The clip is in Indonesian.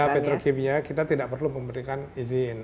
iya petro kimia kita tidak perlu memberikan izin